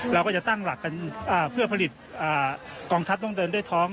เราก็จะตั้งหลักกันเพื่อผลิตกองทัพต้องเดินด้วยท้อง